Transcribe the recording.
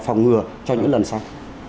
phòng ngừa cho những lần sau